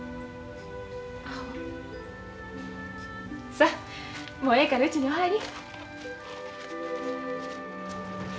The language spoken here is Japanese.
さあもうええからうちにお入り。